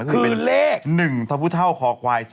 คือเลข๑ทะพุท่าวคควาย๒๓๖๐